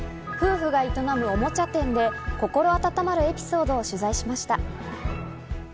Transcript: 夫婦が営むおもちゃ店で心温まるエピソードを取材しました。